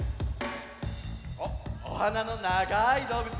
おっおはなのながいどうぶつ。